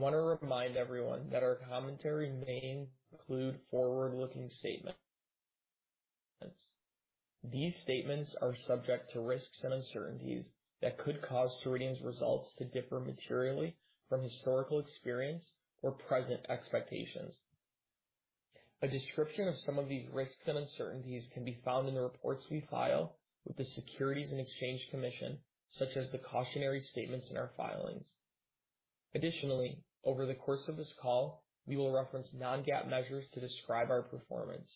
I want to remind everyone that our commentary may include forward-looking statements. These statements are subject to risks and uncertainties that could cause Ceridian's results to differ materially from historical experience or present expectations. A description of some of these risks and uncertainties can be found in the reports we file with the Securities and Exchange Commission, such as the cautionary statements in our filings. Additionally, over the course of this call, we will reference non-GAAP measures to describe our performance.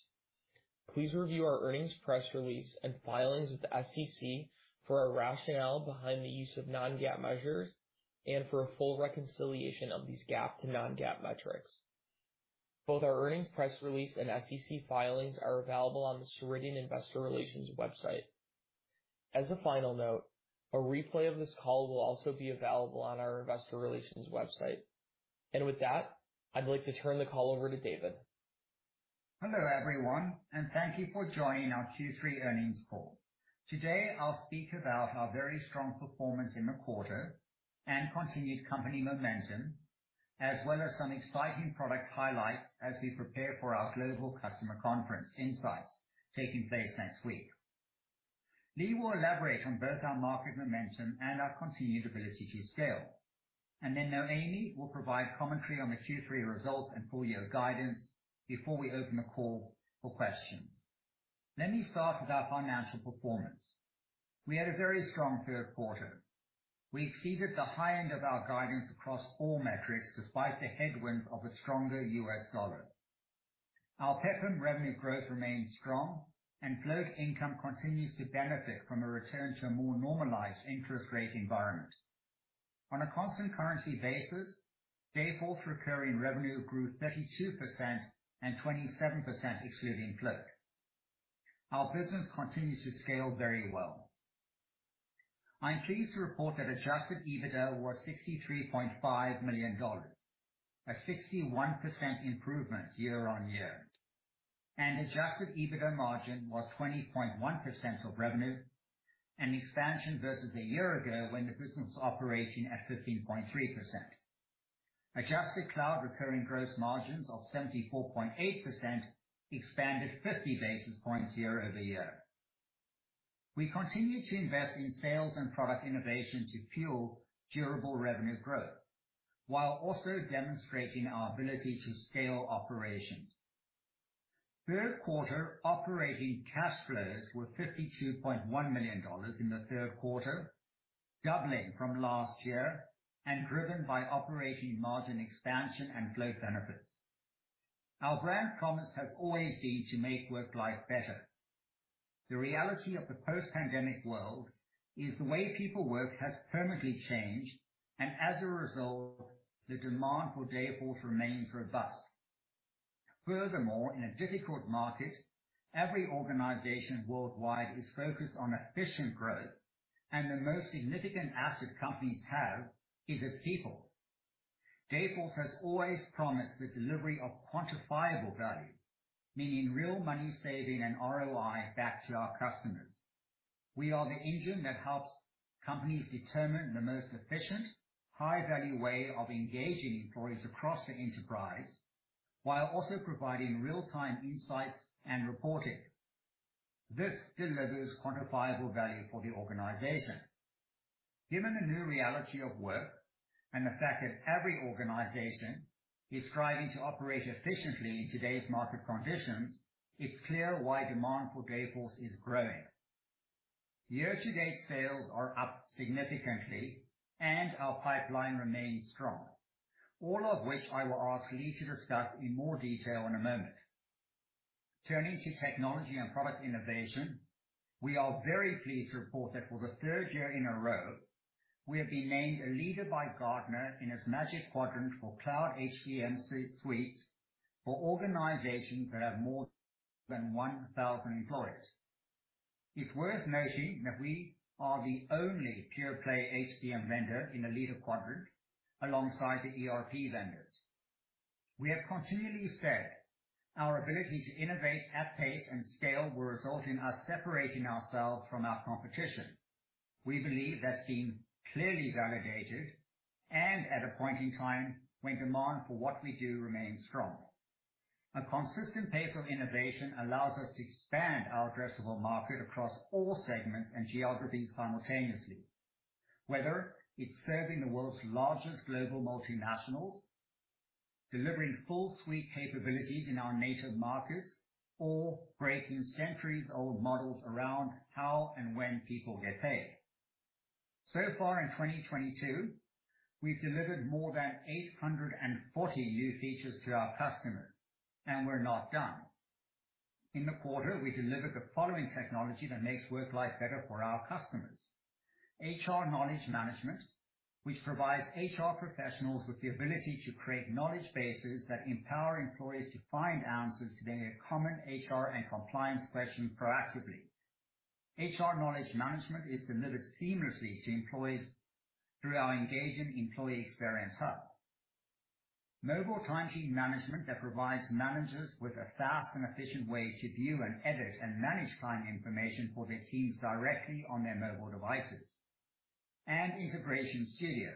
Please review our earnings press release and filings with the SEC for our rationale behind the use of non-GAAP measures and for a full reconciliation of these GAAP to non-GAAP metrics. Both our earnings press release and SEC filings are available on the Ceridian Investor Relations website. As a final note, a replay of this call will also be available on our investor relations website. With that, I'd like to turn the call over to David. Hello, everyone, and thank you for joining our Q3 earnings call. Today, I'll speak about our very strong performance in the quarter and continued company momentum, as well as some exciting product highlights as we prepare for our global customer conference INSIGHTS taking place next week. Leagh will elaborate on both our market momentum and our continued ability to scale. Noémie will provide commentary on the Q3 results and full year guidance before we open the call for questions. Let me start with our financial performance. We had a very strong third quarter. We exceeded the high end of our guidance across all metrics despite the headwinds of a stronger U.S. dollar. Our PEPM revenue growth remains strong and float income continues to benefit from a return to a more normalized interest rate environment. On a constant currency basis, Dayforce recurring revenue grew 32% and 27% excluding float. Our business continues to scale very well. I'm pleased to report that adjusted EBITDA was $63.5 million, a 61% improvement year-on-year. Adjusted EBITDA margin was 20.1% of revenue, an expansion versus a year ago when the business was operating at 15.3%. Adjusted cloud recurring gross margins of 74.8% expanded 50 basis points year-over-year. We continue to invest in sales and product innovation to fuel durable revenue growth while also demonstrating our ability to scale operations. Third quarter operating cash flows were $52.1 million in the third quarter, doubling from last year and driven by operating margin expansion and flow benefits. Our brand promise has always been to make work life better. The reality of the post-pandemic world is the way people work has permanently changed, and as a result, the demand for Dayforce remains robust. Furthermore, in a difficult market, every organization worldwide is focused on efficient growth, and the most significant asset companies have is its people. Dayforce has always promised the delivery of quantifiable value, meaning real money saving and ROI back to our customers. We are the engine that helps companies determine the most efficient, high-value way of engaging employees across the enterprise while also providing real-time insights and reporting. This delivers quantifiable value for the organization. Given the new reality of work and the fact that every organization is striving to operate efficiently in today's market conditions, it's clear why demand for Dayforce is growing. Year to date sales are up significantly and our pipeline remains strong. All of which I will ask Leagh to discuss in more detail in a moment. Turning to technology and product innovation, we are very pleased to report that for the third year in a row, we have been named a leader by Gartner in its Magic Quadrant for Cloud HCM Suites for organizations that have more than 1,000 employees. It's worth noting that we are the only pure play HCM vendor in the leader quadrant alongside the ERP vendors. We have continually said our ability to innovate at pace and scale will result in us separating ourselves from our competition. We believe that's been clearly validated and at a point in time when demand for what we do remains strong. A consistent pace of innovation allows us to expand our addressable market across all segments and geographies simultaneously. Whether it's serving the world's largest global multinationals, delivering full suite capabilities in our native markets, or breaking centuries-old models around how and when people get paid. So far in 2022, we've delivered more than 840 new features to our customers, and we're not done. In the quarter, we delivered the following technology that makes work life better for our customers. HR Knowledge Management, which provides HR professionals with the ability to create knowledge bases that empower employees to find answers to their common HR and compliance questions proactively. HR Knowledge Management is delivered seamlessly to employees through our engaging employee experience hub. Mobile time sheet management that provides managers with a fast and efficient way to view and edit and manage time information for their teams directly on their mobile devices. Integration Studio,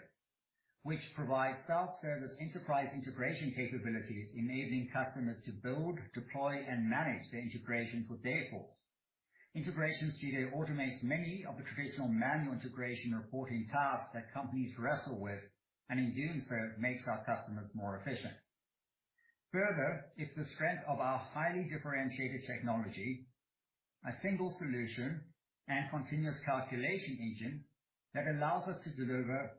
which provides self-service enterprise integration capabilities, enabling customers to build, deploy, and manage their integrations with Dayforce. Integration Studio automates many of the traditional manual integration reporting tasks that companies wrestle with, and in doing so, makes our customers more efficient. Further, it's the strength of our highly differentiated technology, a single solution, and continuous calculation engine that allows us to deliver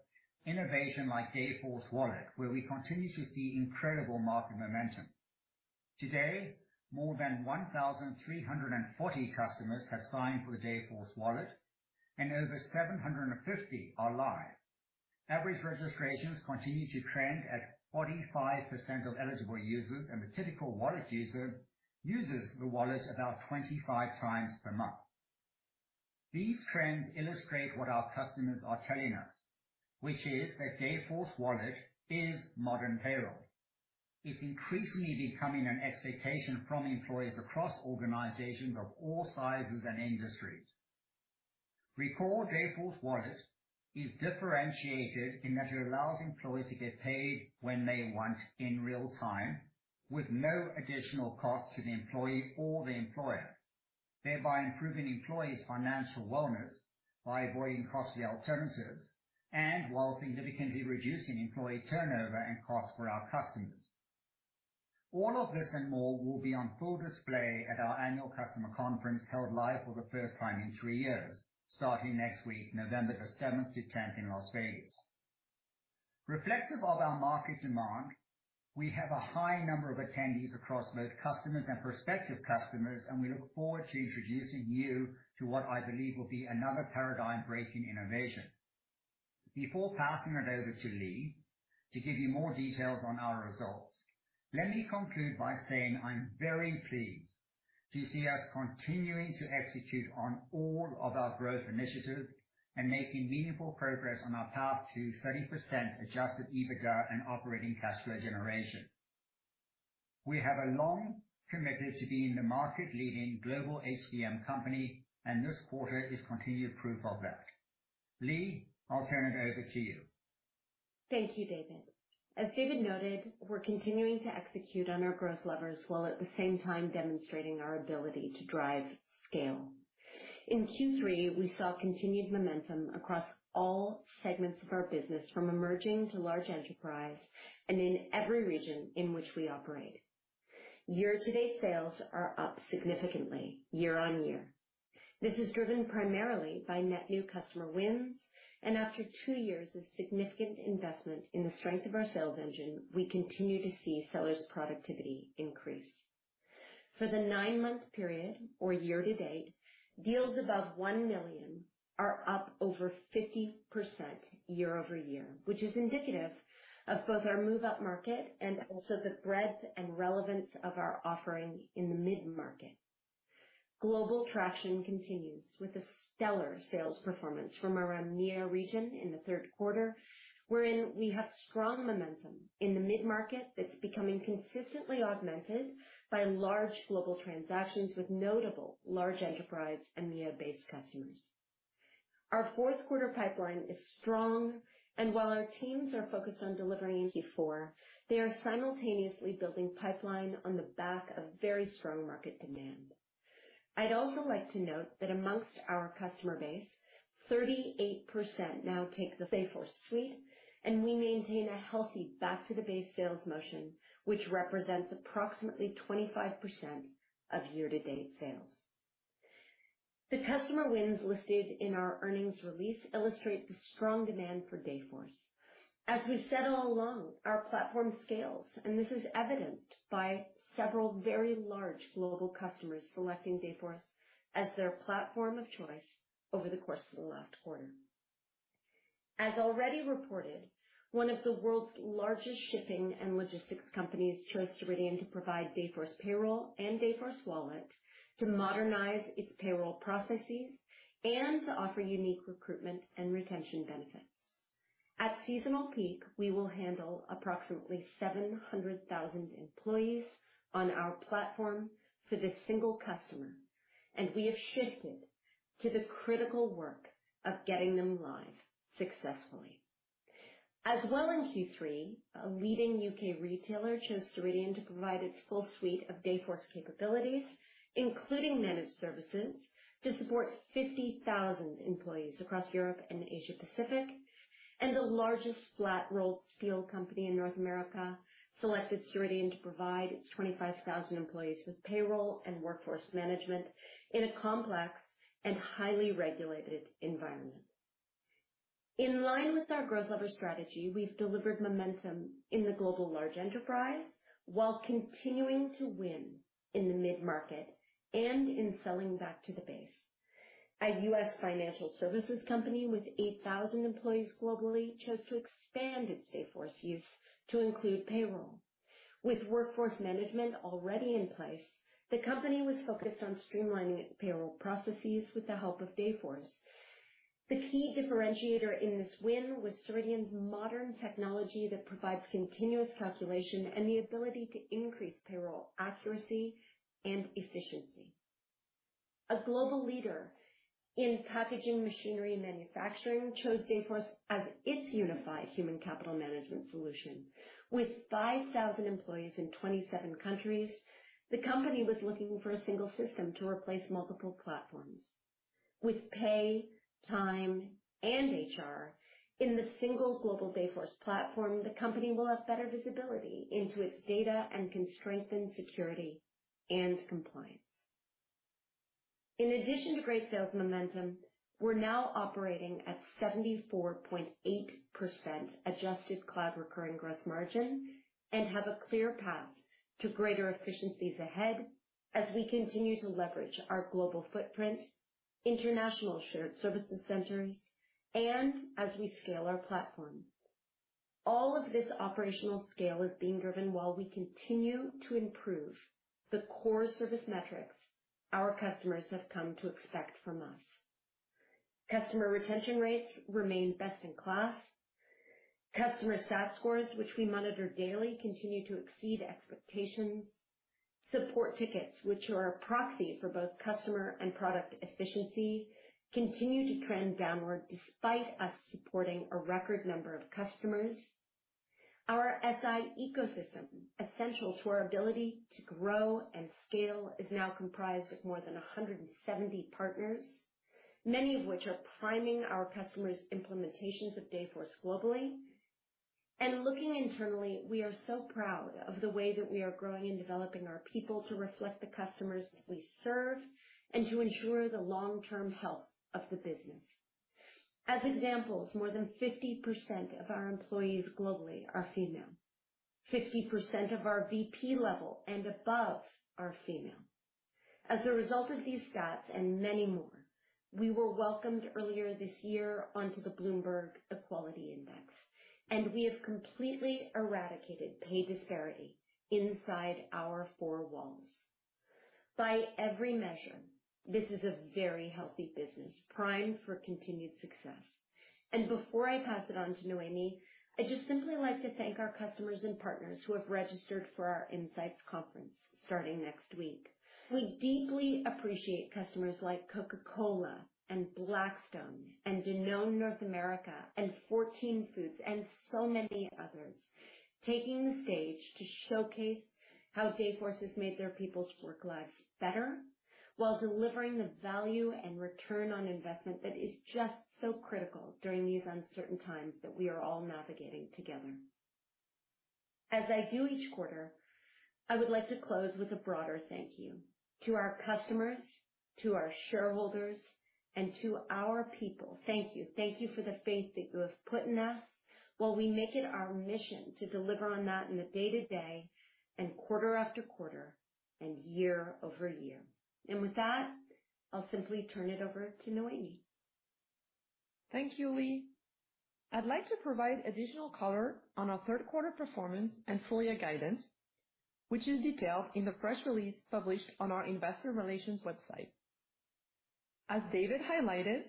innovation like Dayforce Wallet, where we continue to see incredible market momentum. Today, more than 1,340 customers have signed for the Dayforce Wallet and over 750 are live. Average registrations continue to trend at 45% of eligible users, and the typical Wallet user uses the Wallet about 25x per month. These trends illustrate what our customers are telling us, which is that Dayforce Wallet is modern payroll. It's increasingly becoming an expectation from employees across organizations of all sizes and industries. Recall Dayforce Wallet is differentiated in that it allows employees to get paid when they want in real time with no additional cost to the employee or the employer, thereby improving employees' financial wellness by avoiding costly alternatives and while significantly reducing employee turnover and cost for our customers. All of this and more will be on full display at our annual customer conference, held live for the first time in three years, starting next week, November the seventh to tenth in Las Vegas. Reflective of our market demand, we have a high number of attendees across both customers and prospective customers, and we look forward to introducing you to what I believe will be another paradigm-breaking innovation. Before passing it over to Leagh to give you more details on our results, let me conclude by saying I'm very pleased to see us continuing to execute on all of our growth initiatives and making meaningful progress on our path to 30% adjusted EBITDA and operating cash flow generation. We have long committed to being the market leading global HCM company, and this quarter is continued proof of that. Leagh, I'll turn it over to you. Thank you, David. As David noted, we're continuing to execute on our growth levers while at the same time demonstrating our ability to drive scale. In Q3, we saw continued momentum across all segments of our business, from emerging to large enterprise and in every region in which we operate. Year-to-date sales are up significantly year-over-year. This is driven primarily by net new customer wins. After two years of significant investment in the strength of our sales engine, we continue to see sellers' productivity increase. For the nine-month period or year to date, deals above $1 million are up over 50% year-over-year, which is indicative of both our move-up market and also the breadth and relevance of our offering in the mid-market. Global traction continues with a stellar sales performance from our EMEA region in the third quarter, wherein we have strong momentum in the mid-market that's becoming consistently augmented by large global transactions with notable large enterprise and EMEA-based customers. Our fourth quarter pipeline is strong. While our teams are focused on delivering in Q4, they are simultaneously building pipeline on the back of very strong market demand. I'd also like to note that among our customer base, 38% now take the Dayforce Suite, and we maintain a healthy back to the base sales motion, which represents approximately 25% of year-to-date sales. The customer wins listed in our earnings release illustrate the strong demand for Dayforce. As we've said all along, our platform scales, and this is evidenced by several very large global customers selecting Dayforce as their platform of choice over the course of the last quarter. As already reported, one of the world's largest shipping and logistics companies chose Ceridian to provide Dayforce Payroll and Dayforce Wallet to modernize its payroll processes and to offer unique recruitment and retention benefits. At seasonal peak, we will handle approximately 700,000 employees on our platform for this single customer, and we have shifted to the critical work of getting them live successfully. As well, in Q3, a leading U.K. retailer chose Ceridian to provide its full suite of Dayforce capabilities, including managed services to support 50,000 employees across Europe and Asia Pacific. The largest flat rolled steel company in North America selected Ceridian to provide its 25,000 employees with payroll and workforce management in a complex and highly regulated environment. In line with our growth lever strategy, we've delivered momentum in the global large enterprise while continuing to win in the mid-market and in selling back to the base. A U.S. financial services company with 8,000 employees globally chose to expand its Dayforce use to include payroll. With workforce management already in place, the company was focused on streamlining its payroll processes with the help of Dayforce. The key differentiator in this win was Ceridian's modern technology that provides continuous calculation and the ability to increase payroll accuracy and efficiency. A global leader in packaging machinery and manufacturing chose Dayforce as its unified human capital management solution. With 5,000 employees in 27 countries, the company was looking for a single system to replace multiple platforms. With pay, time, and HR in the single global Dayforce platform, the company will have better visibility into its data and can strengthen security and compliance. In addition to great sales momentum, we're now operating at 74.8% adjusted cloud recurring gross margin and have a clear path to greater efficiencies ahead as we continue to leverage our global footprint, international shared services centers, and as we scale our platform. All of this operational scale is being driven while we continue to improve the core service metrics our customers have come to expect from us. Customer retention rates remain best in class. Customer CSAT scores, which we monitor daily, continue to exceed expectations. Support tickets, which are a proxy for both customer and product efficiency, continue to trend downward despite us supporting a record number of customers. Our SI ecosystem, essential to our ability to grow and scale, is now comprised of more than 170 partners, many of which are priming our customers' implementations of Dayforce globally. Looking internally, we are so proud of the way that we are growing and developing our people to reflect the customers we serve and to ensure the long-term health of the business. As examples, more than 50% of our employees globally are female. 50% of our VP level and above are female. As a result of these stats and many more, we were welcomed earlier this year onto the Bloomberg Gender-Equality Index, and we have completely eradicated pay disparity inside our four walls. By every measure, this is a very healthy business, primed for continued success. Before I pass it on to Noémie, I'd just simply like to thank our customers and partners who have registered for our Insights conference starting next week. We deeply appreciate customers like Coca-Cola and Blackstone and Danone North America and Fourteen Foods and so many others taking the stage to showcase how Dayforce has made their people's work lives better while delivering the value and return on investment that is just so critical during these uncertain times that we are all navigating together. As I do each quarter, I would like to close with a broader thank you to our customers, to our shareholders, and to our people. Thank you. Thank you for the faith that you have put in us while we make it our mission to deliver on that in the day to day and quarter after quarter and year over year. With that, I'll simply turn it over to Noémie. Thank you, Leagh. I'd like to provide additional color on our third quarter performance and full-year guidance, which is detailed in the press release published on our investor relations website. As David highlighted,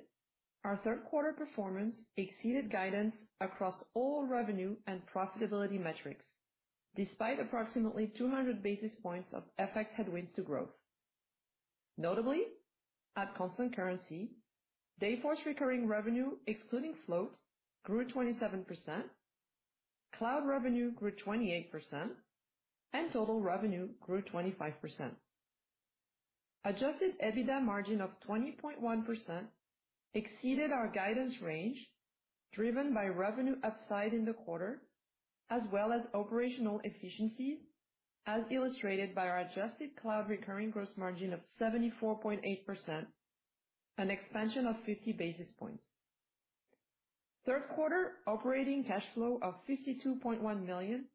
our third quarter performance exceeded guidance across all revenue and profitability metrics, despite approximately 200 basis points of FX headwinds to growth. Notably, at constant currency, Dayforce recurring revenue excluding floats grew 27%, cloud revenue grew 28%, and total revenue grew 25%. Adjusted EBITDA margin of 20.1% exceeded our guidance range, driven by revenue upside in the quarter, as well as operational efficiencies, as illustrated by our adjusted cloud recurring gross margin of 74.8%, an expansion of 50 basis points. Third quarter operating cash flow of $52.1 million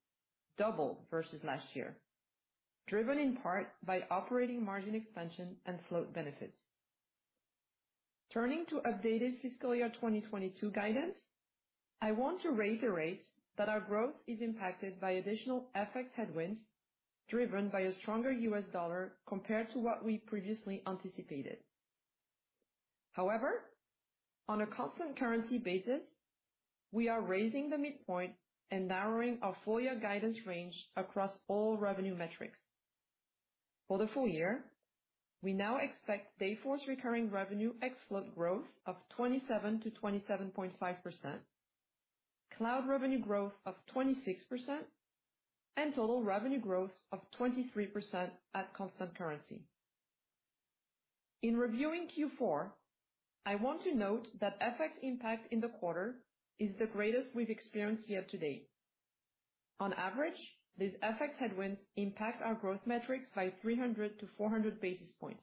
doubled versus last year, driven in part by operating margin expansion and float benefits. Turning to updated fiscal year 2022 guidance, I want to reiterate that our growth is impacted by additional FX headwinds driven by a stronger U.S. dollar compared to what we previously anticipated. However, on a constant currency basis, we are raising the midpoint and narrowing our full-year guidance range across all revenue metrics. For the full year, we now expect Dayforce recurring revenue ex float growth of 27%-27.5%, cloud revenue growth of 26%, and total revenue growth of 23% at constant currency. In reviewing Q4, I want to note that FX impact in the quarter is the greatest we've experienced year to date. On average, these FX headwinds impact our growth metrics by 300-400 basis points.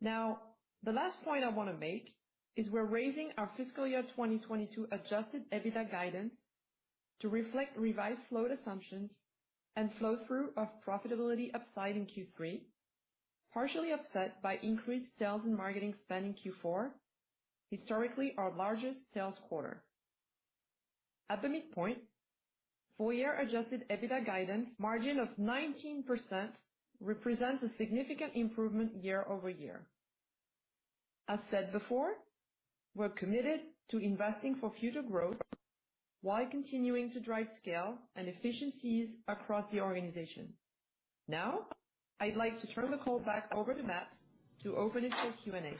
Now, the last point I wanna make is we're raising our fiscal year 2022 adjusted EBITDA guidance to reflect revised float assumptions and flow-through of profitability upside in Q3. Partially offset by increased sales and marketing spend in Q4, historically our largest sales quarter. At the midpoint, full-year adjusted EBITDA guidance margin of 19% represents a significant improvement year-over-year. As said before, we're committed to investing for future growth while continuing to drive scale and efficiencies across the organization. Now, I'd like to turn the call back over to Matt to open it for Q&A.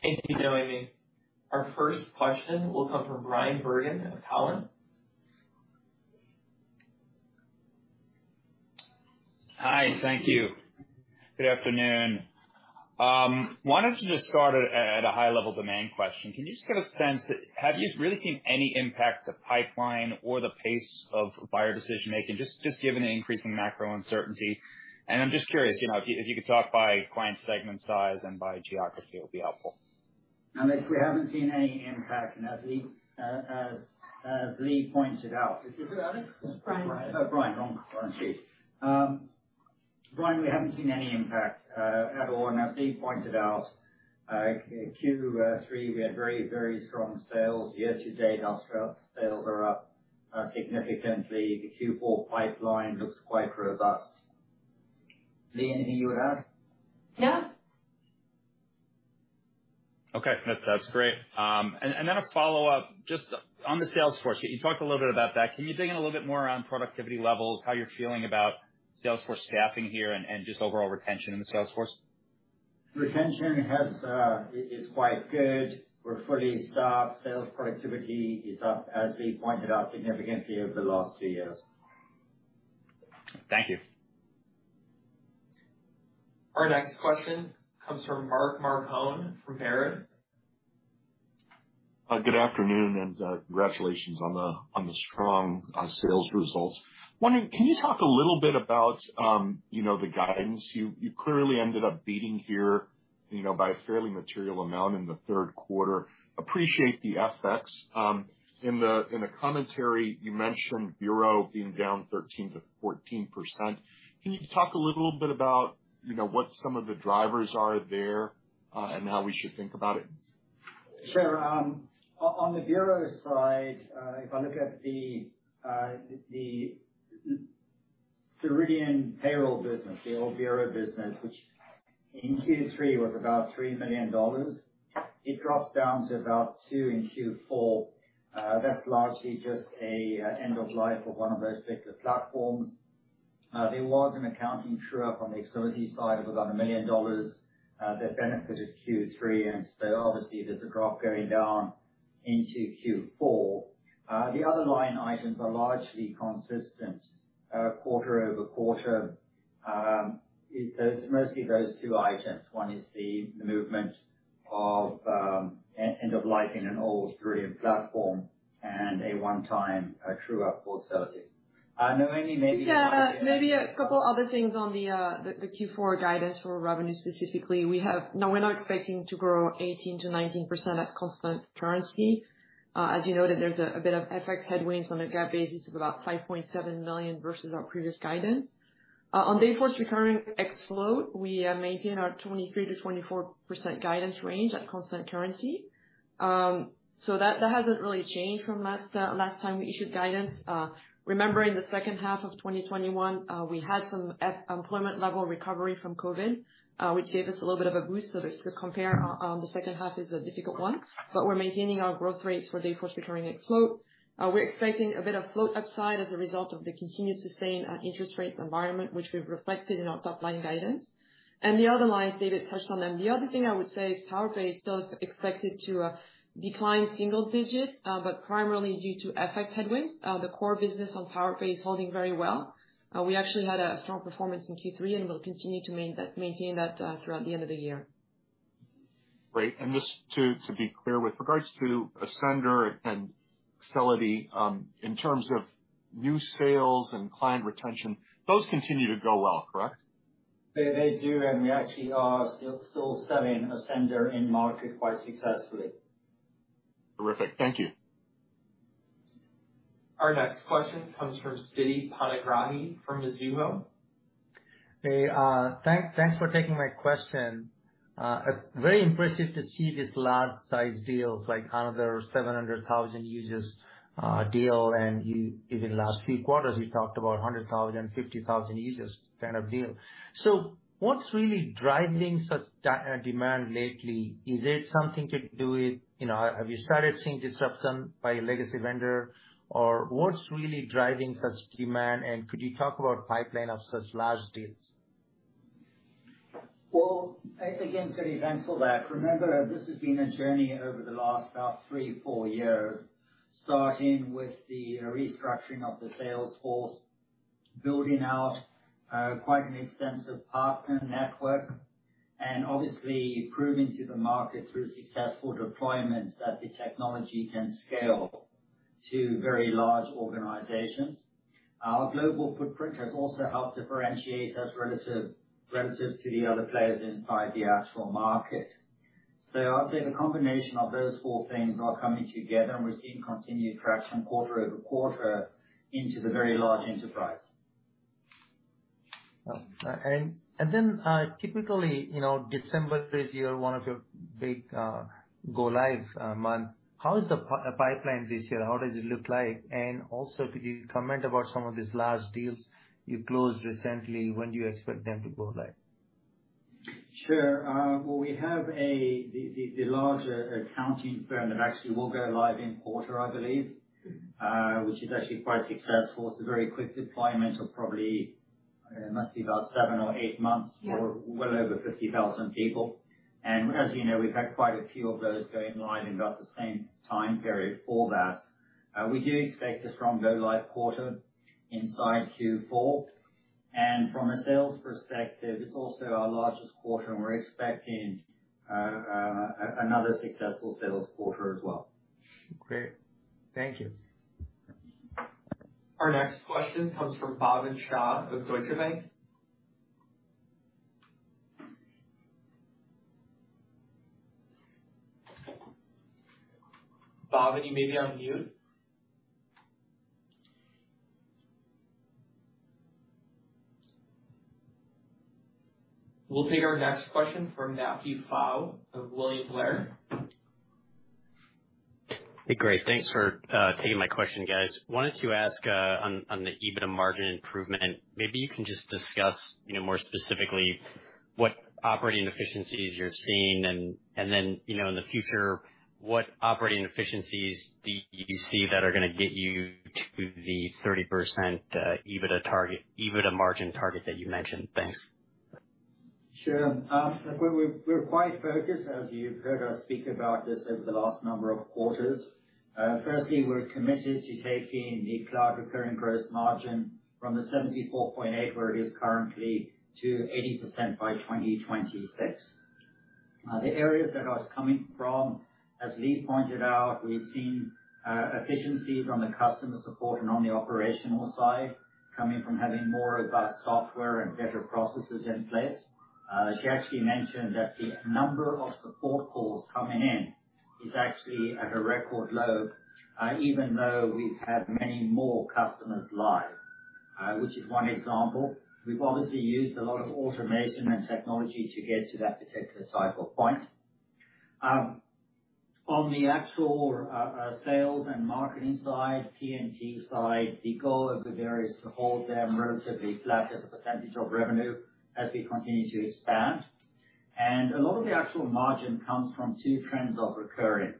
Thank you, Noémie. Our first question will come from Bryan Bergin at Cowen. Hi. Thank you. Good afternoon. Wanted to just start at a high level demand question. Can you just get a sense, have you really seen any impact to pipeline or the pace of buyer decision-making just given the increasing macro uncertainty? I'm just curious, you know, if you could talk by client segment size and by geography, it would be helpful. No, we haven't seen any impact. As Leagh pointed out. Is this Alex? It's Bryan. Oh, Bryan. Wrong sheet. Bryan, we haven't seen any impact at all. As Leagh pointed out, Q3, we had very strong sales year to date. Our sales are up significantly. The Q4 pipeline looks quite robust. Leagh, anything you would add? No. Okay. That's great. And then a follow-up, just on the sales force, you talked a little bit about that. Can you dig in a little bit more around productivity levels, how you're feeling about sales force staffing here and just overall retention in the sales force? Retention is quite good. We're fully staffed. Sales productivity is up, as Leagh pointed out, significantly over the last two years. Thank you. Our next question comes from Mark Marcon from Baird. Good afternoon and congratulations on the strong sales results. Wondering, can you talk a little bit about, you know, the guidance? You clearly ended up beating here, you know, by a fairly material amount in the third quarter. Appreciate the FX. In the commentary you mentioned bureau being down 13%-14%. Can you talk a little bit about, you know, what some of the drivers are there, and how we should think about it? Sure. On the bureau side, if I look at the Ceridian payroll business, the old bureau business, which in Q3 was about $3 million, it drops down to about $2 million in Q4. That's largely just end of life of one of those particular platforms. There was an accounting true-up on the Excelity side of about $1 million that benefited Q3, and so obviously there's a drop going down into Q4. The other line items are largely consistent quarter-over-quarter. It's mostly those two items. One is the movement of end of life in an old Ceridian platform and a one-time true-up for Excelity. Noémie, maybe you want to- Just maybe a couple other things on the Q4 guidance for revenue specifically. Now we're not expecting to grow 18%-19% at constant currency. As you noted, there's a bit of FX headwinds on a GAAP basis of about $5.7 million versus our previous guidance. On Dayforce Recurring ex float, we maintain our 23%-24% guidance range at constant currency. So that hasn't really changed from last time we issued guidance. Remember in the second half of 2021, we had some net employment level recovery from COVID, which gave us a little bit of a boost. To compare on the second half is a difficult one, but we're maintaining our growth rates for Dayforce Recurring ex float. We're expecting a bit of float upside as a result of the continued sustained interest rates environment, which we've reflected in our top line guidance. The other lines, David touched on them. The other thing I would say is Powerpay is still expected to decline single digits, but primarily due to FX headwinds. The core business on Powerpay is holding very well. We actually had a strong performance in Q3, and we'll continue to maintain that throughout the end of the year. Great. Just to be clear, with regards to Ascender and Excelity, in terms of new sales and client retention, those continue to go well, correct? They do, and we actually are still selling Ascender in market quite successfully. Terrific. Thank you. Our next question comes from Siti Panigrahi from Mizuho. Hey. Thanks for taking my question. It's very impressive to see these large size deals like another 700,000 users deal. You even last few quarters you talked about 100,000, 50,000 users kind of deal. What's really driving such demand lately? Is it something to do with have you started seeing disruption by a legacy vendor? What's really driving such demand, and could you talk about pipeline of such large deals? Well, I think again, Siti, thanks for that. Remember, this has been a journey over the last about three, four years, starting with the restructuring of the sales force, building out quite an extensive partner network, and obviously proving to the market through successful deployments that the technology can scale to very large organizations. Our global footprint has also helped differentiate us relative to the other players inside the actual market. I'd say the combination of those four things are coming together and we're seeing continued traction quarter over quarter into the very large enterprise. Typically, you know, December this year, one of your big go live month, how is the pipeline this year? How does it look like? Also, could you comment about some of these large deals you closed recently, when do you expect them to go live? Sure. Well, we have the larger accounting firm that actually will go live in quarter, I believe, which is actually quite successful. It's a very quick deployment of probably must be about 7 or 8 months. Yeah. For well over 50,000 people. As you know, we've had quite a few of those going live in about the same time period for that. We do expect a strong go live quarter inside Q4. From a sales perspective, it's also our largest quarter and we're expecting another successful sales quarter as well. Great. Thank you. Our next question comes from Bhavin Shah of Deutsche Bank. Bhavin, you may be on mute. We'll take our next question from Matthew Pfau of William Blair. Hey, great. Thanks for taking my question, guys. Wanted to ask on the EBITDA margin improvement, maybe you can just discuss, you know, more specifically what operating efficiencies you're seeing and then, you know, in the future, what operating efficiencies do you see that are gonna get you to the 30% EBITDA target, EBITDA margin target that you mentioned. Thanks. Sure. We're quite focused, as you've heard us speak about this over the last number of quarters. Firstly, we're committed to taking the cloud recurring gross margin from the 74.8% where it is currently to 80% by 2026. The areas that I was coming from, as Leagh pointed out, we've seen efficiency from the customer support and on the operational side coming from having more advanced software and better processes in place. She actually mentioned that the number of support calls coming in is actually at a record low, even though we've had many more customers live, which is one example. We've obviously used a lot of automation and technology to get to that particular cycle point. On the actual sales and marketing side, G&A side, the goal of the various to hold them relatively flat as a percentage of revenue as we continue to expand. A lot of the actual margin comes from two trends of recurring.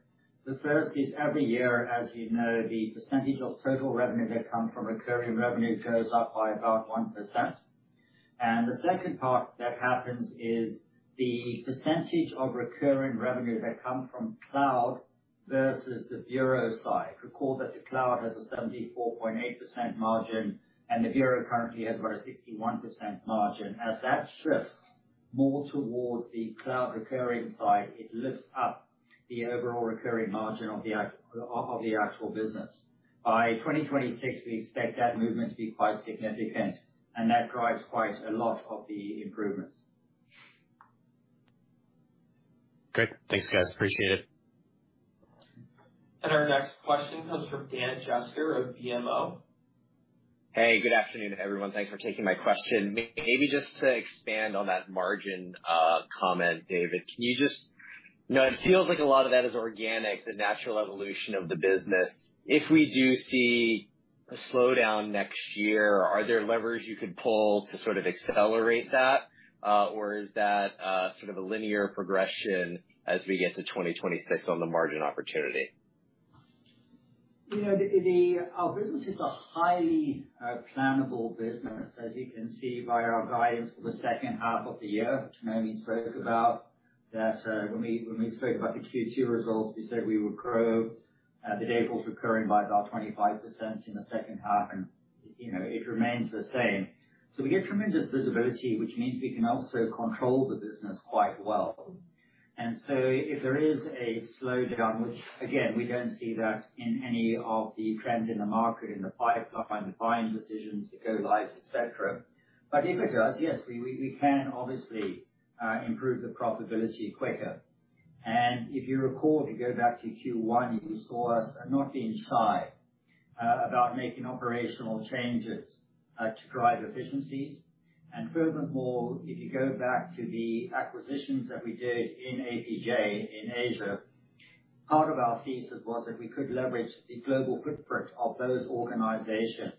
The first is every year, as you know, the percentage of total revenue that come from recurring revenue goes up by about 1%. The second part that happens is the percentage of recurring revenue that come from cloud versus the bureau side. Recall that the cloud has a 74.8% margin, and the bureau currently has about 61% margin. As that shifts more towards the cloud recurring side, it lifts up the overall recurring margin of the actual business. By 2026, we expect that movement to be quite significant, and that drives quite a lot of the improvements. Great. Thanks, guys. Appreciate it. Our next question comes from Daniel Jester of BMO. Hey, good afternoon, everyone. Thanks for taking my question. Maybe just to expand on that margin comment, David. Can you just, you know, it feels like a lot of that is organic, the natural evolution of the business. If we do see a slowdown next year, are there levers you could pull to sort of accelerate that? Or is that sort of a linear progression as we get to 2026 on the margin opportunity? You know, our business is a highly plannable business, as you can see via our guidance for the second half of the year, which Noémie spoke about when we spoke about the Q2 results. We said we would grow Dayforce's recurring by about 25% in the second half. You know, it remains the same. We get tremendous visibility, which means we can also control the business quite well. If there is a slowdown, which again, we don't see that in any of the trends in the market, in the pipeline, the buying decisions, the go lives, et cetera. If it does, we can obviously improve the profitability quicker. If you recall, if you go back to Q1, you saw us not being shy about making operational changes to drive efficiencies. Furthermore, if you go back to the acquisitions that we did in APJ, in Asia, part of our thesis was that we could leverage the global footprint of those organizations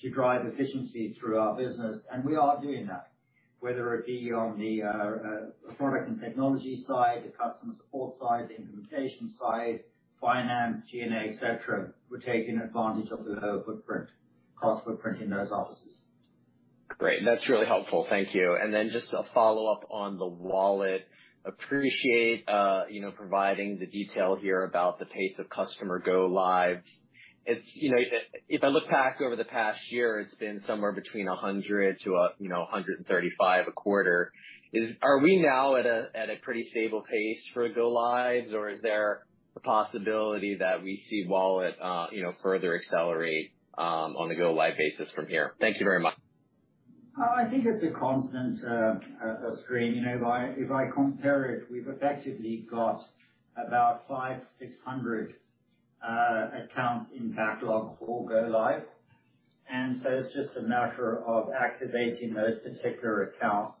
to drive efficiency through our business, and we are doing that. Whether it be on the product and technology side, the customer support side, the implementation side, finance, G&A, et cetera, we're taking advantage of the lower footprint, cost footprint in those offices. Great. That's really helpful. Thank you. Just a follow-up on the wallet. Appreciate you know providing the detail here about the pace of customer go lives. You know, if I look back over the past year, it's been somewhere between 100 to, you know, 135 a quarter. Are we now at a pretty stable pace for go lives, or is there a possibility that we see wallet you know further accelerate on the go live basis from here? Thank you very much. I think it's a constant screen. You know, if I compare it, we've effectively got about 500-600 accounts in backlog or go live. It's just a matter of activating those particular accounts.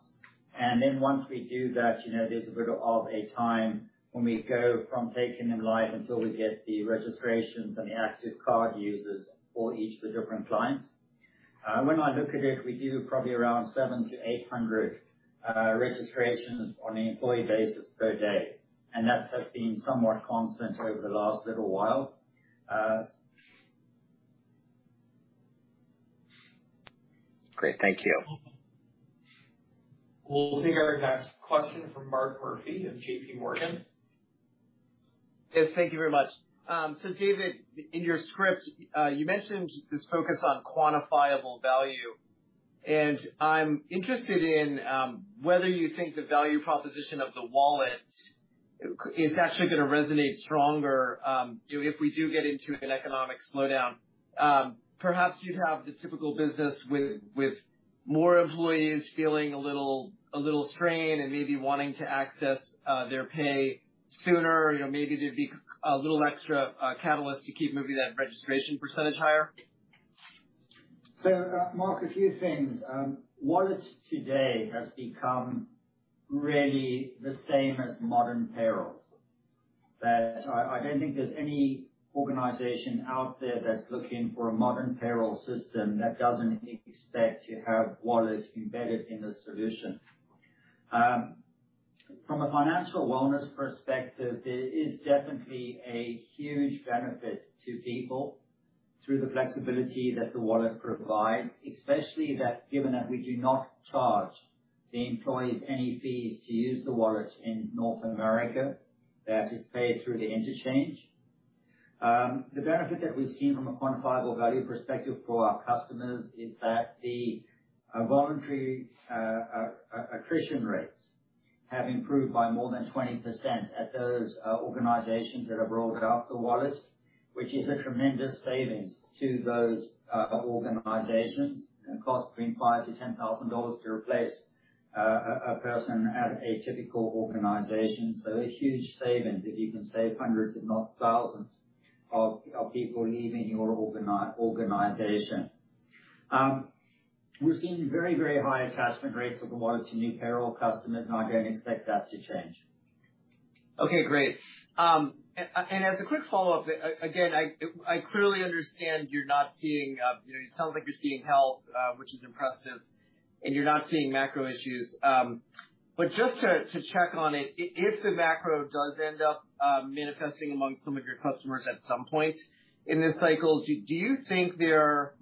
Once we do that, you know, there's a bit of a time when we go from taking them live until we get the registrations and the active card users for each of the different clients. When I look at it, we do probably around 700-800 registrations on the employee basis per day, and that has been somewhat constant over the last little while. Great. Thank you. We'll take our next question from Mark Murphy of JPMorgan. Yes, thank you very much. So David, in your script, you mentioned this focus on quantifiable value. I'm interested in whether you think the value proposition of the wallet is actually gonna resonate stronger, you know, if we do get into an economic slowdown. Perhaps you'd have the typical business with more employees feeling a little strain and maybe wanting to access their pay sooner. You know, maybe there'd be a little extra catalyst to keep maybe that registration percentage higher. Mark, a few things. Wallets today has become really the same as modern payrolls. That I don't think there's any organization out there that's looking for a modern payroll system that doesn't expect to have wallets embedded in the solution. From a financial wellness perspective, there is definitely a huge benefit to people through the flexibility that the wallet provides, especially given that we do not charge the employees any fees to use the wallets in North America, that is paid through the interchange. The benefit that we've seen from a quantifiable value perspective for our customers is that the voluntary attrition rates have improved by more than 20% at those organizations that have rolled out the wallet, which is a tremendous savings to those organizations. It costs between $5,000-$10,000 to replace a person at a typical organization. A huge savings if you can save hundreds, if not thousands of people leaving your organization. We're seeing very high attachment rates of the wallet to new payroll customers, and I don't expect that to change. Okay, great. As a quick follow-up, again, I clearly understand you're not seeing, you know, it sounds like you're seeing health, which is impressive and you're not seeing macro issues. Just to check on it, if the macro does end up manifesting among some of your customers at some point in this cycle, do you think they're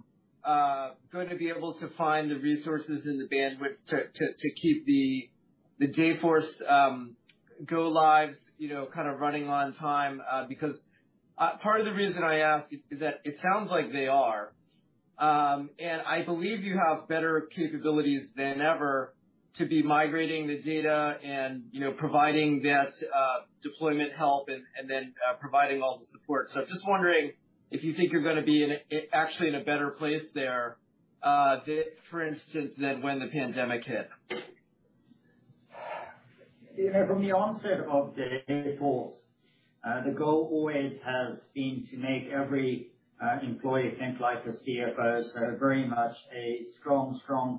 going to be able to find the resources and the bandwidth to keep the Dayforce go lives, you know, kind of running on time? Because part of the reason I ask is that it sounds like they are. I believe you have better capabilities than ever to be migrating the data and, you know, providing that deployment help and then providing all the support. Just wondering if you think you're gonna be actually in a better place there, for instance, than when the pandemic hit? You know, from the onset of Dayforce, the goal always has been to make every employee think like a CFO. Very much a strong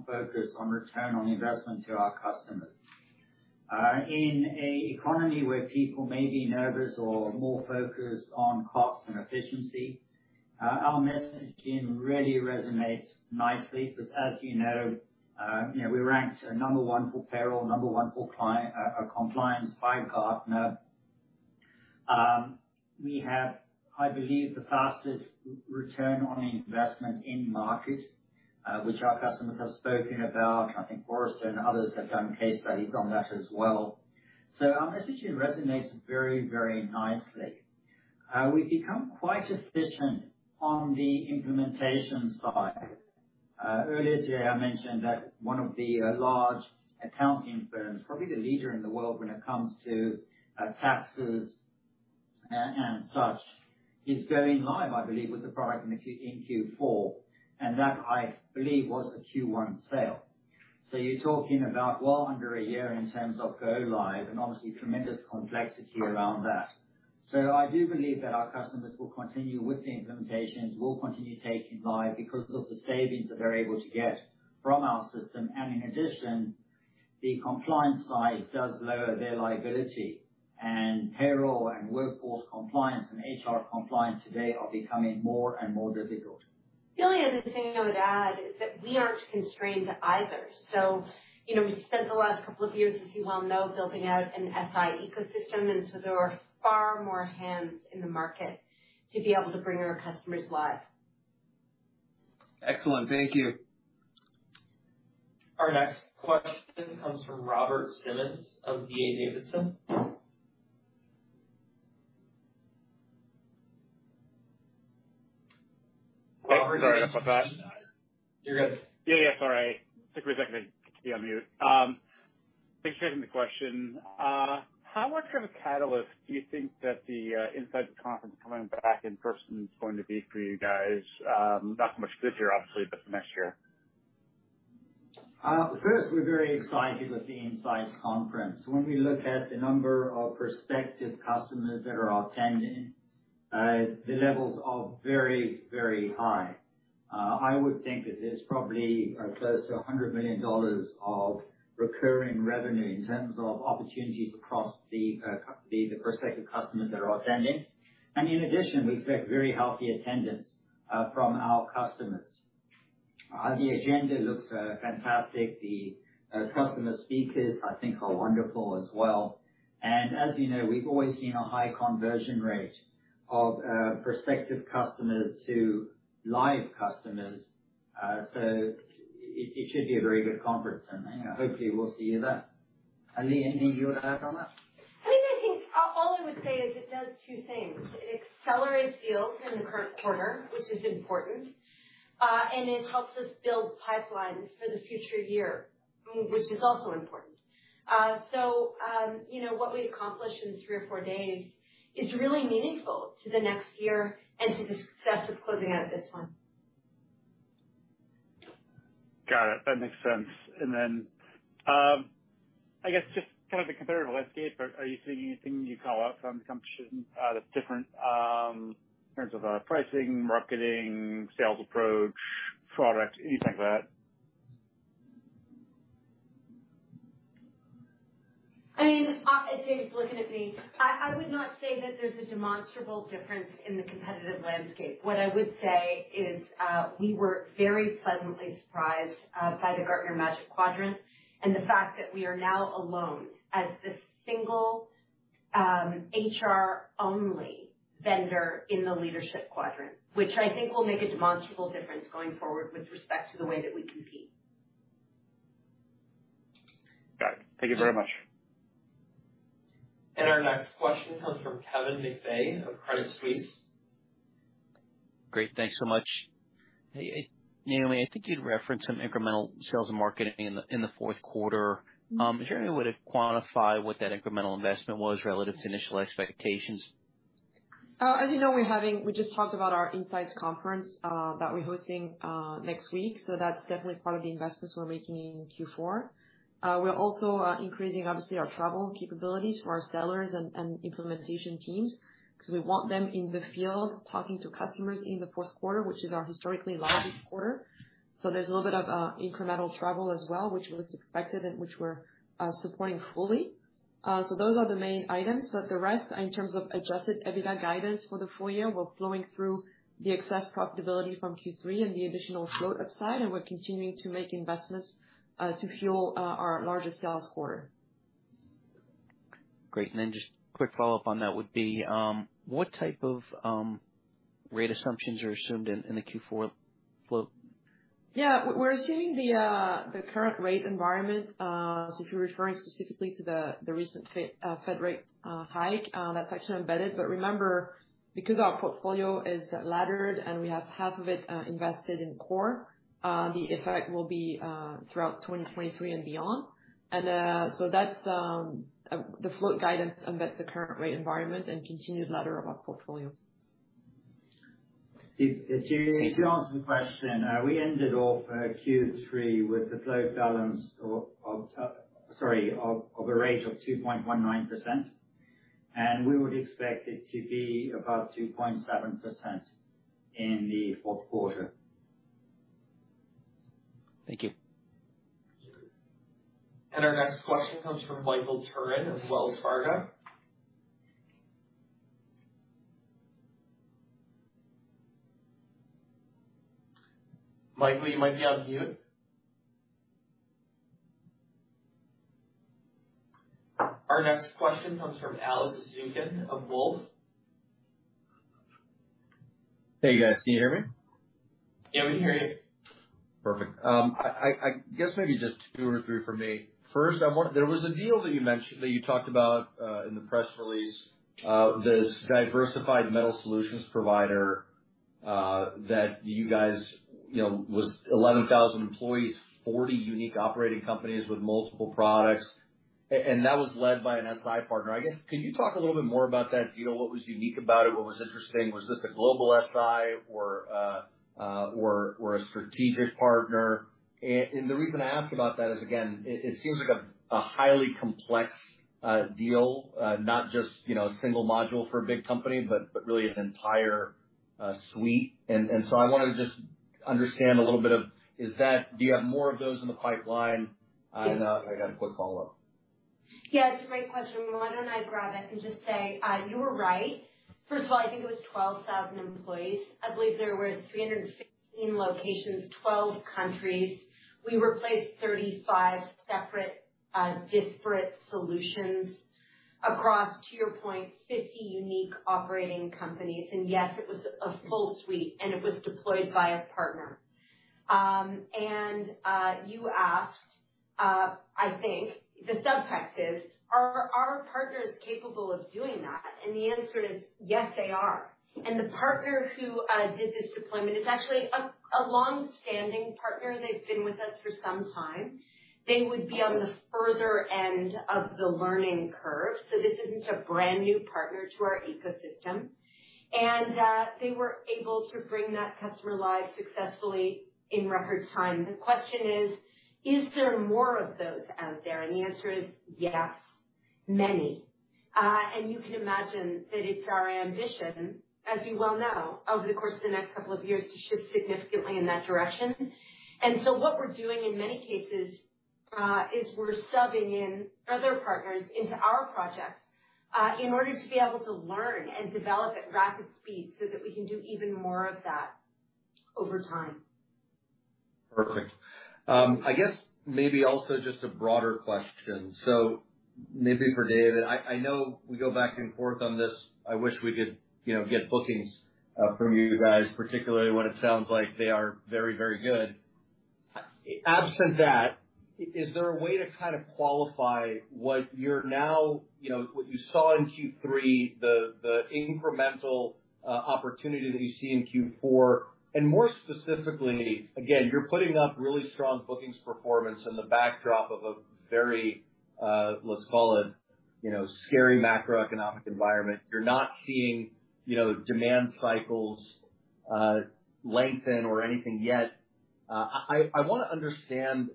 focus on return on investment to our customers. In an economy where people may be nervous or more focused on cost and efficiency, our messaging really resonates nicely because, as you know, you know, we ranked number one for payroll, number one for compliance by Gartner. We have, I believe, the fastest return on investment in market, which our customers have spoken about. I think Forrester and others have done case studies on that as well. Our messaging resonates very nicely. We've become quite efficient on the implementation side. Earlier today, I mentioned that one of the large accounting firms, probably the leader in the world when it comes to taxes and such, is going live, I believe, with the product in Q4, and that, I believe, was a Q1 sale. You're talking about well under a year in terms of go live and obviously tremendous complexity around that. I do believe that our customers will continue with the implementations, will continue taking live because of the savings that they're able to get from our system. In addition, the compliance side does lower their liability. Payroll and workforce compliance and HR compliance today are becoming more and more difficult. The only other thing I would add is that we aren't constrained either. You know, we spent the last couple of years, as you well know, building out an SI ecosystem, and so there are far more hands in the market to be able to bring our customers live. Excellent. Thank you. Our next question comes from Robert Simmons of D.A. Davidson. Sorry about that. You're good. Yeah, yeah, sorry. Took me a second to unmute. Thanks for taking the question. How much of a catalyst do you think that the INSIGHTS conference coming back in person is going to be for you guys? Not so much this year, obviously, but next year. First, we're very excited with the Insights conference. When we look at the number of prospective customers that are attending, the levels are very, very high. I would think that there's probably close to $100 million of recurring revenue in terms of opportunities across the the prospective customers that are attending. In addition, we expect very healthy attendance from our customers. The agenda looks fantastic. The customer speakers, I think, are wonderful as well. As you know, we've always seen a high conversion rate of prospective customers to live customers. It should be a very good conference, and hopefully we'll see you there. Leigh, anything you would add on that? I think all I would say is it does two things. It accelerates deals in the current quarter, which is important, and it helps us build pipelines for the future year, which is also important. You know, what we accomplish in three or four days is really meaningful to the next year and to the success of closing out this one. Got it. That makes sense. I guess just kind of the competitive landscape, are you seeing anything you call out from the competition, that's different, in terms of, pricing, marketing, sales approach, product, anything like that? I mean, James is looking at me. I would not say that there's a demonstrable difference in the competitive landscape. What I would say is, we were very pleasantly surprised by the Gartner Magic Quadrant and the fact that we are now alone as the single HR-only vendor in the leadership quadrant, which I think will make a demonstrable difference going forward with respect to the way that we compete. Got it. Thank you very much. Our next question comes from Kevin McVeigh of Credit Suisse. Great. Thanks so much. Hey, Noémie, I think you'd referenced some incremental sales and marketing in the fourth quarter. Is there any way to quantify what that incremental investment was relative to initial expectations? As you know, we just talked about our INSIGHTS conference that we're hosting next week, so that's definitely part of the investments we're making in Q4. We're also increasing obviously our travel capabilities for our sellers and implementation teams because we want them in the field talking to customers in the fourth quarter, which is our historically largest quarter. There's a little bit of incremental travel as well, which was expected and which we're supporting fully. Those are the main items. The rest, in terms of adjusted EBITDA guidance for the full year, we're flowing through the excess profitability from Q3 and the additional float upside, and we're continuing to make investments to fuel our largest sales quarter. Great. Just quick follow-up on that would be, what type of rate assumptions are assumed in the Q4 float? Yeah. We're assuming the current rate environment. If you're referring specifically to the recent Fed rate hike, that's actually embedded. Remember, because our portfolio is laddered and we have half of it invested in core, the effect will be throughout 2023 and beyond. That's the float guidance embeds the current rate environment and continued ladder of our portfolio. If you need me to answer the question, we ended off Q3 with the float balance of a range of 2.19%, and we would expect it to be about 2.7% in the fourth quarter. Thank you. Our next question comes from Michael Turrin of Wells Fargo. Michael, you might be on mute. Our next question comes from Alex Zukin of Wolfe. Hey, guys, can you hear me? Yeah, we can hear you. Perfect. I guess maybe just two or three from me. First, there was a deal that you mentioned, that you talked about, in the press release, this diversified metal solutions provider, that you guys, you know, was 11,000 employees, 40 unique operating companies with multiple products, and that was led by an SI partner. I guess, can you talk a little bit more about that deal? What was unique about it? What was interesting? Was this a global SI or a strategic partner? And the reason I ask about that is, again, it seems like a highly complex deal, not just, you know, a single module for a big company, but really an entire suite. I wanted to just understand a little bit of is that. Do you have more of those in the pipeline? I got a quick follow-up. Yeah, it's a great question. Why don't I grab it and just say, you were right. First of all, I think it was 12,000 employees. I believe there were 316 locations, 12 countries. We replaced 35 separate, disparate solutions across, to your point, 50 unique operating companies. Yes, it was a full suite, and it was deployed by a partner. You asked, I think the subtext is, are our partners capable of doing that? The answer is yes, they are. The partner who did this deployment is actually a long-standing partner. They've been with us for some time. They would be on the further end of the learning curve. This isn't a brand new partner to our ecosystem. They were able to bring that customer live successfully in record time. The question is there more of those out there? The answer is yes, many. You can imagine that it's our ambition, as you well know, over the course of the next couple of years, to shift significantly in that direction. What we're doing in many cases is we're subbing in other partners into our projects in order to be able to learn and develop at rapid speed so that we can do even more of that over time. Perfect. I guess maybe also just a broader question, maybe for David. I know we go back and forth on this. I wish we could, you know, get bookings from you guys, particularly when it sounds like they are very, very good. Absent that, is there a way to kind of qualify what you're now. You know what you saw in Q3, the incremental opportunity that you see in Q4? More specifically, again, you're putting up really strong bookings performance in the backdrop of a very, let's call it, you know, scary macroeconomic environment. You're not seeing, you know, demand cycles lengthen or anything yet. I wanna understand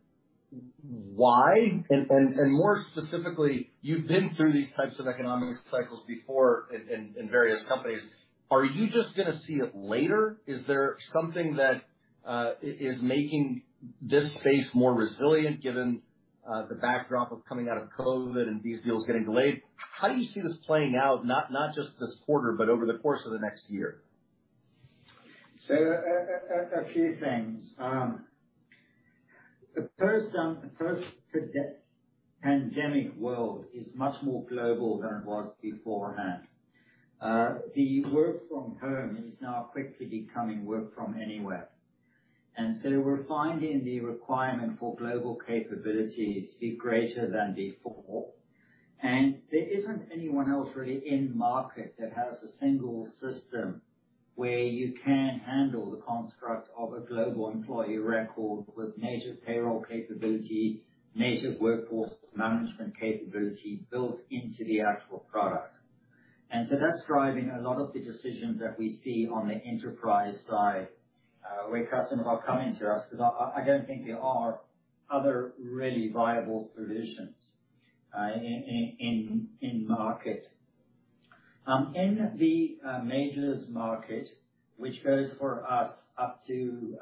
why, and more specifically, you've been through these types of economic cycles before in various companies. Are you just gonna see it later? Is there something that is making this space more resilient given the backdrop of coming out of COVID and these deals getting delayed? How do you see this playing out, not just this quarter, but over the course of the next year? A few things. The first, the post-pandemic world is much more global than it was beforehand. The work from home is now quickly becoming work from anywhere. We're finding the requirement for global capabilities to be greater than before. There isn't anyone else really in market that has a single system where you can handle the construct of a global employee record with native payroll capability, native workforce management capability built into the actual product. That's driving a lot of the decisions that we see on the enterprise side, where customers are coming to us, because I don't think there are other really viable solutions in market. In the mid-market, which goes for us up to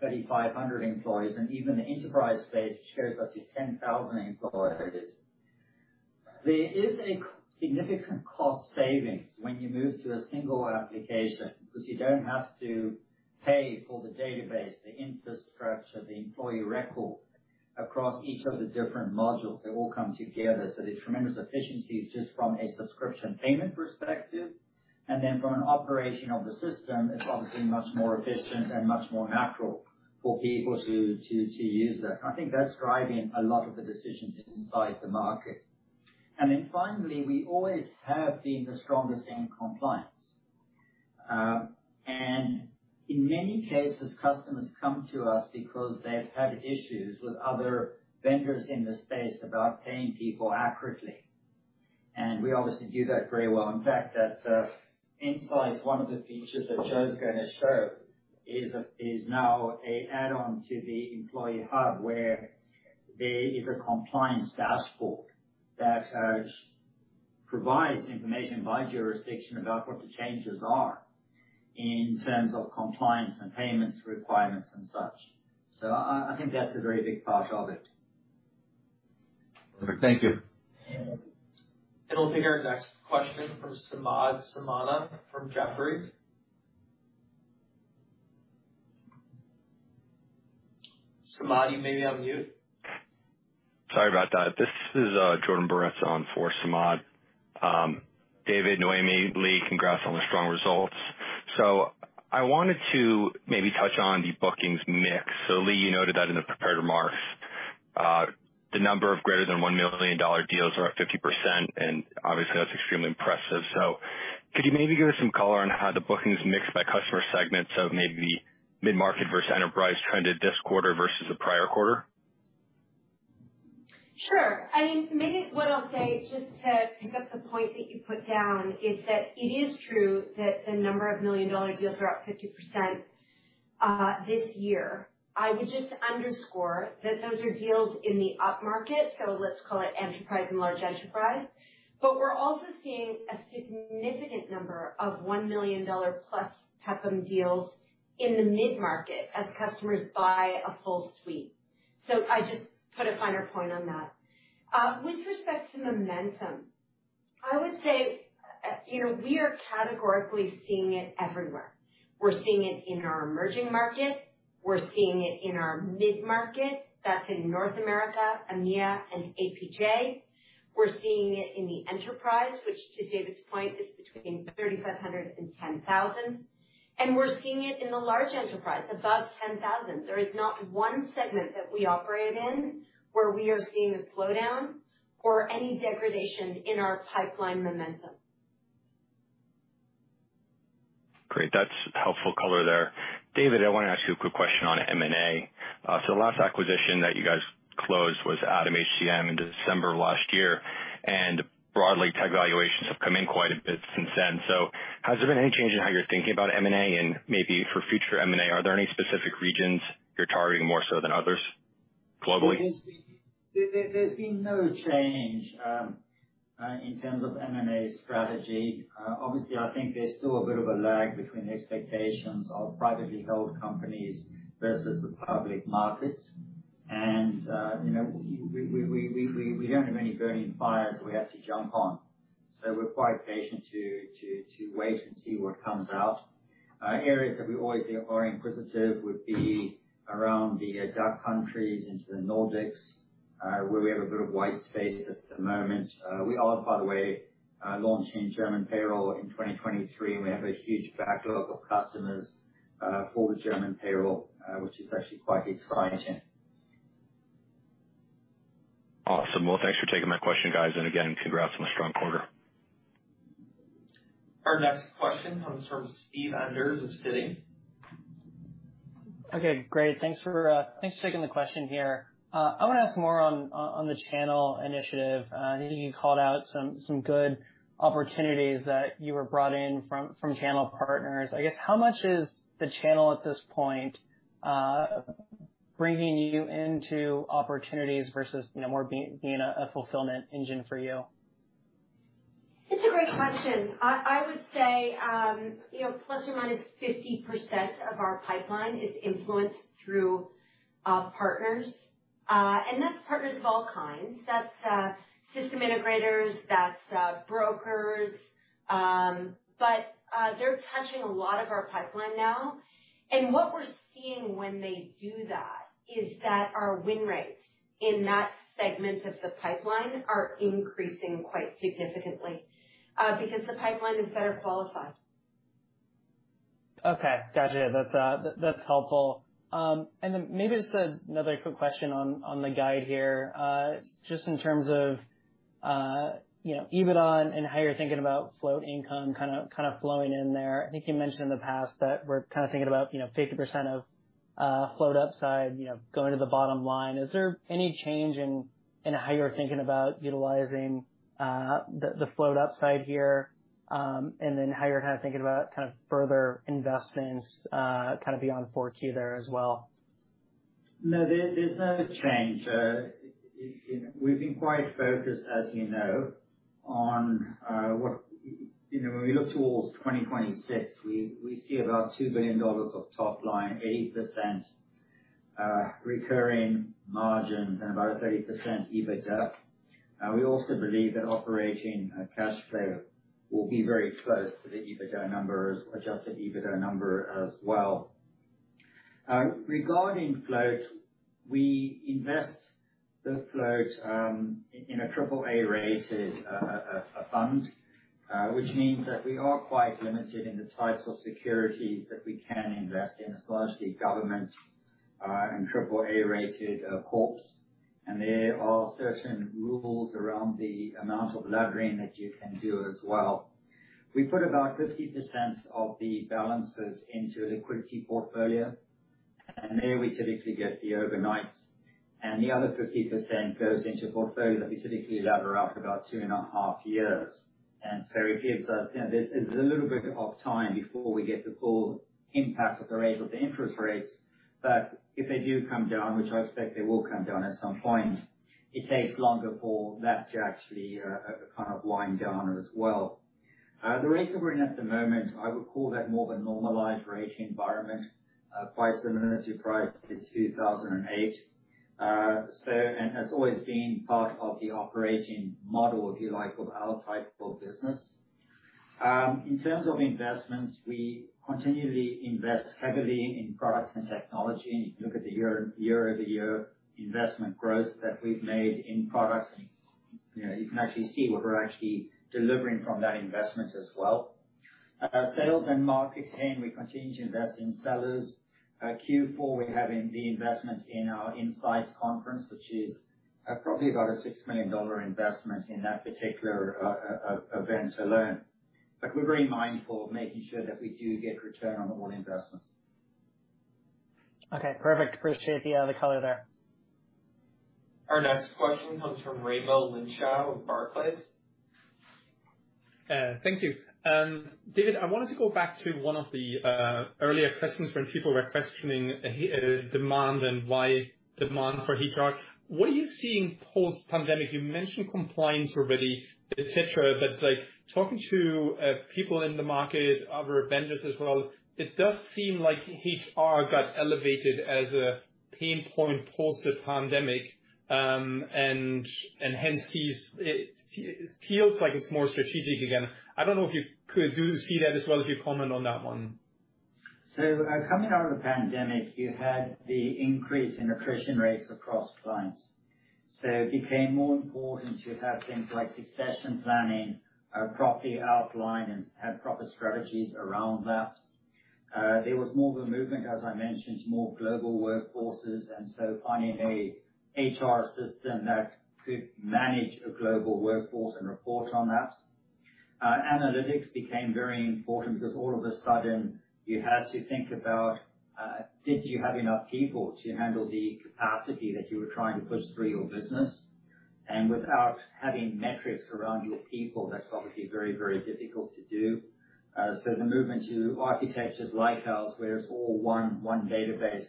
3,500 employees, and even the enterprise space goes up to 10,000 employees. There is a significant cost savings when you move to a single application because you don't have to pay for the database, the infrastructure, the employee record across each of the different modules. They all come together. There's tremendous efficiencies just from a subscription payment perspective. From an operation of the system, it's obviously much more efficient and much more natural for people to use that. I think that's driving a lot of the decisions inside the market. Finally, we always have been the strongest in compliance. In many cases, customers come to us because they've had issues with other vendors in the space about paying people accurately. We obviously do that very well. In fact, that's inside one of the features that Joe's gonna show is now an add-on to the employee hub, where there is a compliance dashboard that provides information by jurisdiction about what the changes are in terms of compliance and payments requirements and such. I think that's a very big part of it. Thank you. We'll take our next question from Samad Samana from Jefferies. Samad, you may be on mute. Sorry about that. This is Jordan Boretz on for Samad. David, Noémie, Leagh, congrats on the strong results. I wanted to maybe touch on the bookings mix. Leagh, you noted that in the prepared remarks. The number of greater than $1 million deals are up 50%, and obviously that's extremely impressive. Could you maybe give us some color on how the bookings mixed by customer segments of maybe mid-market versus enterprise trended this quarter versus the prior quarter? Sure. I mean, maybe what I'll say just to pick up the point that you put down is that it is true that the number of million-dollar deals are up 50% this year. I would just underscore that those are deals in the upmarket, so let's call it enterprise and large enterprise. We're also seeing a significant number of $1 million+ PEPPM deals in the mid-market as customers buy a full suite. I just put a finer point on that. With respect to momentum, I would say, you know, we are categorically seeing it everywhere. We're seeing it in our emerging market. We're seeing it in our mid-market. That's in North America, EMEA and APJ. We're seeing it in the enterprise, which to David's point, is between 3,500 and 10,000. We're seeing it in the large enterprise above 10,000. There is not one segment that we operate in where we are seeing a slowdown or any degradation in our pipeline momentum. Great. That's helpful color there. David, I wanna ask you a quick question on M&A. The last acquisition that you guys closed was ADAM HCM in December of last year, and broadly tech valuations have come in quite a bit since then. Has there been any change in how you're thinking about M&A and maybe for future M&A, are there any specific regions you're targeting more so than others globally? There's been no change in terms of M&A strategy. Obviously, I think there's still a bit of a lag between the expectations of privately held companies versus the public markets. You know, we don't have any burning fires we have to jump on, so we're quite patient to wait and see what comes out. Areas that we always are inquisitive would be around the DACH countries into the Nordics, where we have a bit of white space at the moment. We are by the way launching German payroll in 2023, and we have a huge backlog of customers for the German payroll, which is actually quite exciting. Awesome. Well, thanks for taking my question, guys, and again, congrats on the strong quarter. Our next question comes from Steve Enders of Citi. Okay, great. Thanks for taking the question here. I wanna ask more on the channel initiative. I think you called out some good opportunities that you were brought in from channel partners. I guess, how much is the channel at this point bringing you into opportunities versus more being a fulfillment engine for you? It's a great question. I would say, you know, ±50% of our pipeline is influenced through partners. That's partners of all kinds. That's system integrators, that's brokers. They're touching a lot of our pipeline now. What we're seeing when they do that is that our win rates in that segment of the pipeline are increasing quite significantly, because the pipeline is better qualified. Okay. Gotcha. That's helpful. And then maybe just another quick question on the guide here, just in terms of you know, EBITDA and how you're thinking about float income kinda flowing in there. I think you mentioned in the past that we're kinda thinking about, you know, 50% of float upside, you know, going to the bottom line. Is there any change in how you're thinking about utilizing the float upside here? And then how you're kinda thinking about kind of further investments kind of beyond 4Q there as well? No, there's no change. You know, we've been quite focused, as you know, on. You know, when we look towards 2026, we see about $2 billion of top line, 80% recurring margins and about a 30% EBITDA. We also believe that operating cash flow will be very close to the EBITDA numbers, adjusted EBITDA number as well. Regarding float, we invest the float in a triple-A rated fund, which means that we are quite limited in the types of securities that we can invest in. It's largely government and triple-A rated corps. There are certain rules around the amount of leverage that you can do as well. We put about 50% of the balances into a liquidity portfolio, and there we typically get the overnights, and the other 50% goes into a portfolio that we typically lever up about two and a half years. It gives us. You know, there's a little bit of time before we get the full impact of the raise of the interest rates. If they do come down, which I expect they will come down at some point, it takes longer for that to actually, kind of wind down as well. The rates that we're in at the moment, I would call that more of a normalized rate environment, quite similar to prior to 2008. Has always been part of the operating model, if you like, of our type of business. In terms of investments, we continually invest heavily in product and technology. If you look at the year-over-year investment growth that we've made in products, you know, you can actually see what we're actually delivering from that investment as well. Sales and marketing, we continue to invest in sellers. Q4, we're having the investment in our INSIGHTS conference, which is probably about a $6 million investment in that particular event alone. We're very mindful of making sure that we do get return on all investments. Okay, perfect. Appreciate the color there. Our next question comes from Raimo Lenschow of Barclays. Thank you. David, I wanted to go back to one of the earlier questions when people were questioning demand and why demand for HR. What are you seeing post-pandemic? You mentioned compliance already, et cetera, but like, talking to people in the market, other vendors as well, it does seem like HR got elevated as a pain point post the pandemic, and hence it feels like it's more strategic again. I don't know if you could do you see that as well. If you comment on that one. Coming out of the pandemic, you had the increase in attrition rates across clients. It became more important to have things like succession planning, properly outlined and have proper strategies around that. There was more of a movement, as I mentioned, to more global workforces, and so finding an HR system that could manage a global workforce and report on that. Analytics became very important because all of a sudden you had to think about, did you have enough people to handle the capacity that you were trying to push through your business? Without having metrics around your people, that's obviously very, very difficult to do. The movement to architectures like ours, where it's all one database,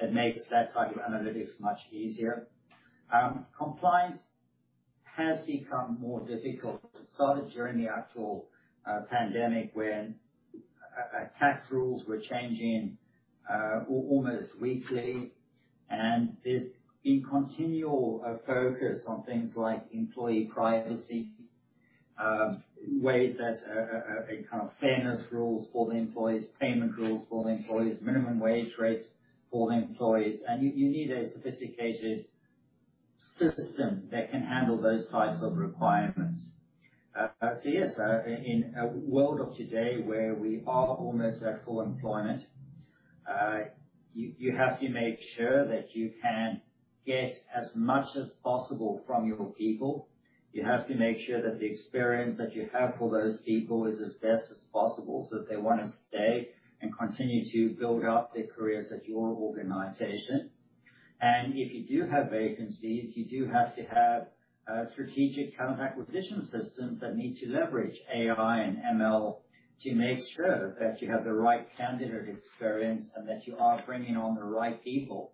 that makes that type of analytics much easier. Compliance has become more difficult. It started during the actual pandemic when tax rules were changing almost weekly. There's been continual focus on things like employee privacy, wage laws, kind of fairness rules for the employees, payment rules for the employees, minimum wage rates for the employees. You need a sophisticated system that can handle those types of requirements. Yes, in a world of today where we are almost at full employment, you have to make sure that you can get as much as possible from your people. You have to make sure that the experience that you have for those people is as best as possible, so that they wanna stay and continue to build out their careers at your organization. If you do have vacancies, you do have to have strategic talent acquisition systems that need to leverage AI and ML to make sure that you have the right candidate experience and that you are bringing on the right people.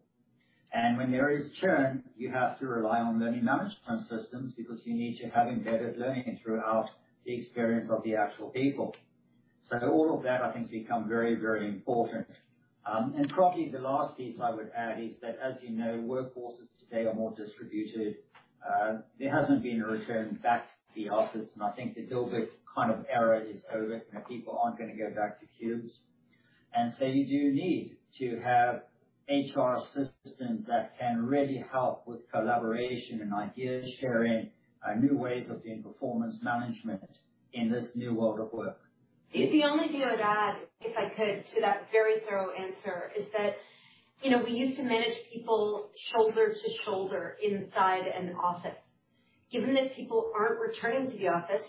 When there is churn, you have to rely on learning management systems because you need to have embedded learning throughout the experience of the actual people. All of that, I think, has become very, very important. Probably the last piece I would add is that, as you know, workforces today are more distributed. There hasn't been a return back to the office, and I think the Dilbert kind of era is over, and people aren't gonna go back to cubes. You do need to have HR systems that can really help with collaboration and idea sharing, new ways of doing performance management in this new world of work. The only thing I would add, if I could, to that very thorough answer is that, you know, we used to manage people shoulder to shoulder inside an office. Given that people aren't returning to the office,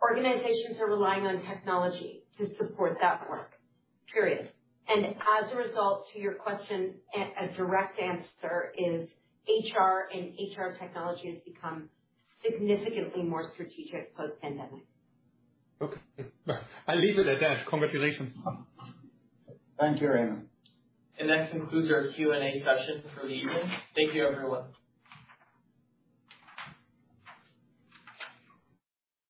organizations are relying on technology to support that work, period. As a result, to your question, a direct answer is HR and HR technology has become significantly more strategic post-pandemic. Okay. I'll leave it at that. Congratulations. Thank you, Raimo. That concludes our Q&A session for the evening. Thank you, everyone.